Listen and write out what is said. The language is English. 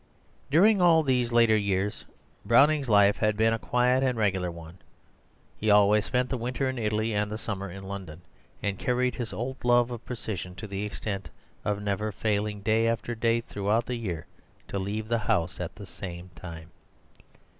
During all these later years, Browning's life had been a quiet and regular one. He always spent the winter in Italy and the summer in London, and carried his old love of precision to the extent of never failing day after day throughout the year to leave the house at the same time.